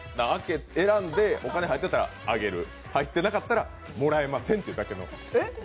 選んでお金はいってたらあげる、入ってなかったら、もらえませんというだけの。